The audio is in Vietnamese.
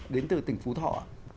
đến từ tỉnh phú thọ